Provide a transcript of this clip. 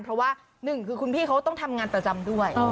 เพราะว่าหนึ่งคือคุณพี่เขาต้องทำงานประจำด้วย